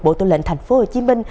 bộ tư lệnh tp hcm